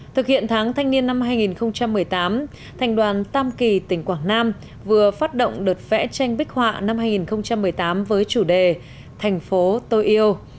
thực hiện tháng thanh niên năm hai nghìn một mươi tám thành đoàn tam kỳ tỉnh quảng nam vừa phát động đợt vẽ tranh bích họa năm hai nghìn một mươi tám với chủ đề thành phố tôi yêu